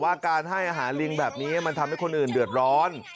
การให้อาหารลิงแบบนี้มันทำให้คนอื่นเดือดร้อน